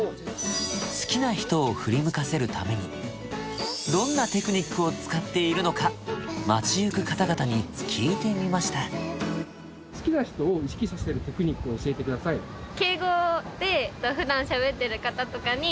好きな人を振り向かせるためにどんなテクニックを使っているのか街行く方々に聞いてみました好きな人を意識させるテクニックを教えてくださいそれえ！